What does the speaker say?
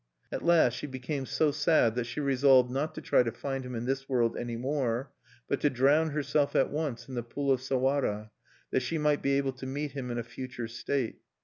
At last she became so sad that she resolved not to try to find him in this world anymore, but to drown herself at once in the pool of Sawara, that she might be able to meet him in a future state.